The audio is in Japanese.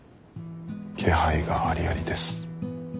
気配がありありです。